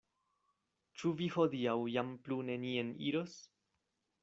Ĉu vi hodiaŭ jam plu nenien iros?